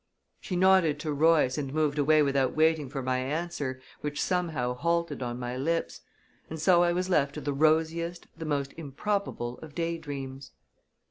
She nodded to Royce, and moved away without waiting for my answer, which somehow halted on my lips; and so I was left to the rosiest, the most improbable of day dreams.